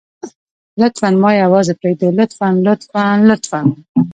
لطفاً ما يوازې پرېږدئ لطفاً لطفاً لطفاً.